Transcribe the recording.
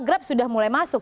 grab sudah mulai masuk